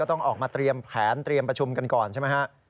ต้องออกมาเตรียมแผนเตรียมประชุมกันก่อนใช่ไหมฮะ